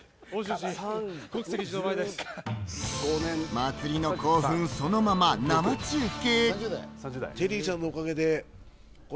祭りの興奮そのまま生中継。